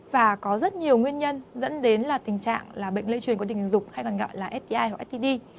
và có rất nhiều nguyên nhân dẫn đến là tình trạng là bệnh lây truyền qua đình dục hay còn gọi là sti hoặc std